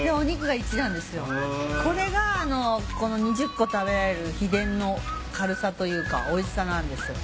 これが２０個食べられる秘伝の軽さというかおいしさなんです。